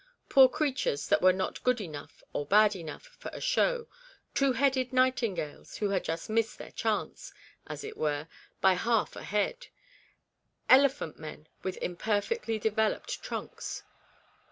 Poor creatures that were not good enough, or bad enough, for a show ; two headed nightin gales who had just missed their chance, as it were, by half a head; elephant men with im perfectly developed trunks.